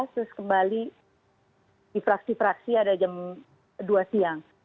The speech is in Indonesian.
terus kembali di fraksi fraksi ada jam dua siang